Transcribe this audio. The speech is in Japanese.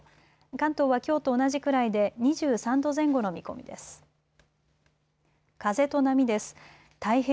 関東はきょうと同じくらいで２３度前後の見込みです。